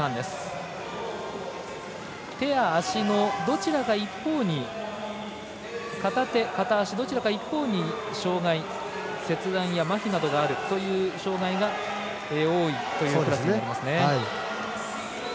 手や足のどちらか一方に片手、片足のどちらか一方に障がい切断やまひなどがある障がいが多いクラスです。